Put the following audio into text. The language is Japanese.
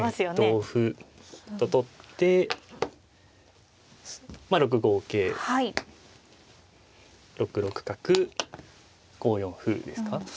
同歩と取ってまあ６五桂６六角５四歩ですか。